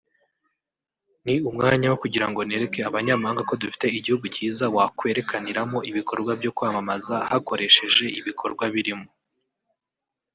Ni umwanya wo kugira ngo nereke abanyamahanga ko dufite igihugu cyiza wakwerekaniramo ibikorwa byo kwamamaza hakoresheje ibikorwa birimo